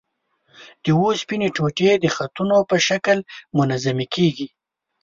د اوسپنې ټوټې د خطونو په شکل منظمې کیږي.